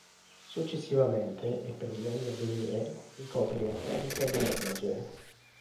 Successivamente, e per gli anni a venire, ricopre la carica di manager.